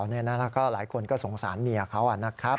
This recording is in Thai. แล้วก็หลายคนก็สงสารเมียเขานะครับ